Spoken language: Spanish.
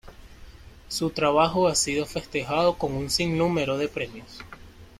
Su trabajo ha sido festejado con un sinnúmero de premios.